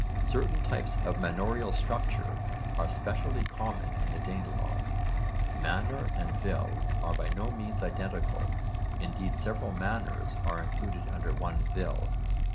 Certain types of manorial structure are specially common in the Danelagh. Manor and vill are by no means identical, indeed several manors are included under one vill.